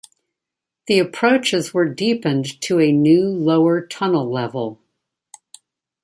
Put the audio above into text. The approaches were deepened to a new lower tunnel level.